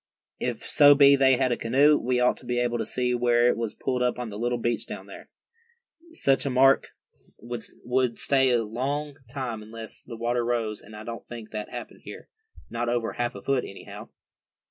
"If so be they had a canoe, we ought to be able to see where it was pulled up on the little beach down here. Such a mark would stay a long time unless the water rose, and I don't think that happened here, not over half a foot, anyhow."